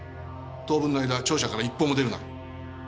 当分の間庁舎から一歩も出るな。